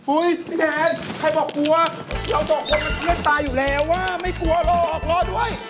พี่แทนใครบอกกลัวเราบอกคนเป็นเพื่อนตายอยู่แล้วว่าไม่กลัวหรอกรอด้วย